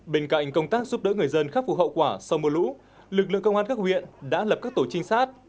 bên cạnh công tác giúp đỡ người dân khắc phục hậu quả sau mưa lũ lực lượng công an các huyện đã lập các tổ trinh sát